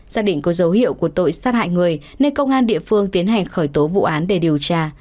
xác định có dấu hiệu của tội sát hại người nên công an địa phương tiến hành khởi tố vụ án để điều tra